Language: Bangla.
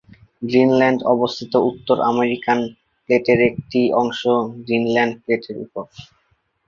গ্রীনল্যান্ড অবস্থিত উত্তর আমেরিকান প্লেটের একটা অংশ গ্রীনল্যান্ড প্লেটের উপরে।